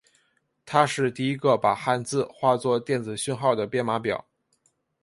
它是第一个把汉字化作电子讯号的编码表。